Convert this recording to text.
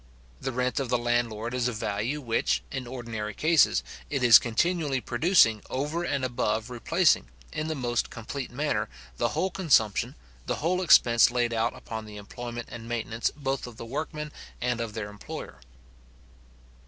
The rent of the landlord is a value which, in ordinary cases, it is continually producing over and above replacing, in the most complete manner, the whole consumption, the whole expense laid out upon the employment and maintenance both of the workmen and of their employer.